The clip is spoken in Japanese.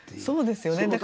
そうですよね。